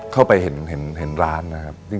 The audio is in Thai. เข้าไปเห็นร้านนะครับ